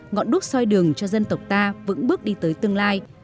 ngọn đúc soi đường cho dân tộc ta vững bước đi tới tương lai